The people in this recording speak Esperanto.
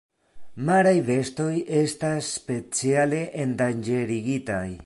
Maraj bestoj estas speciale endanĝerigitaj.